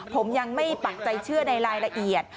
ผมยังไม่ปักใจเชื่อในรายละเอียด